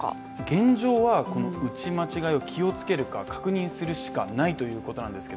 現状は打ち間違えを気をつけるか確認するしかないということです。